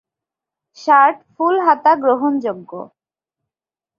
Shirt full হাতা গ্রহণযোগ্য।